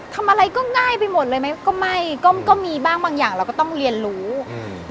ทำอะไรก็ง่ายไปหมดเลยไหมก็ไม่ก็ก็มีบ้างบางอย่างเราก็ต้องเรียนรู้อืม